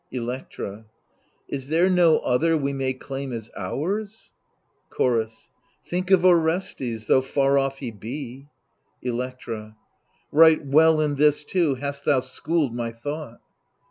Electra Is there no other we may claim as ours ? Chorus Think of Orestes, though far off he be. Electra Right well in this too hast thou schooled my thought.